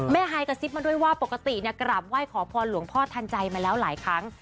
ไฮกระซิบมาด้วยว่าปกติกราบไหว้ขอพรหลวงพ่อทันใจมาแล้วหลายครั้ง